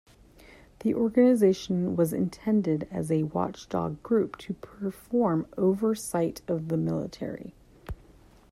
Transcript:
The organization was intended as a watchdog group to perform oversight of the military.